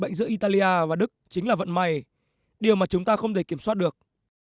bệnh giữa italia và đức chính là vận may điều mà chúng ta không thể kiểm soát được